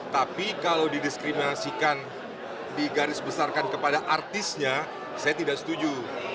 tapi kalau didiskriminasikan digarisbesarkan kepada artisnya saya tidak setuju